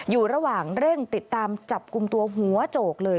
อยู่ระหว่างเร่งติดตามจับกลุ่มตัวหัวโจกเลย